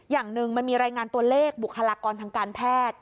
อย่างหนึ่งมันมีรายงานตัวเลขบุคลากรทางการแพทย์